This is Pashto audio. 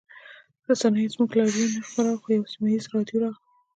رسنیو زموږ لاریون نه خپراوه خو یوه سیمه ییزه راډیو راغله